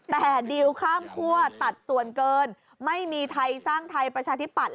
แต่ดิวข้ามคั่วตัดส่วนเกินไม่มีไทยสร้างไทยประชาธิปัตย